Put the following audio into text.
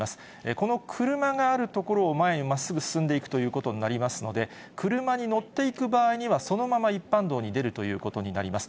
この車がある所を前にまっすぐ進んでいくということになりますので、車に乗っていく場合には、そのまま一般道に出るということになります。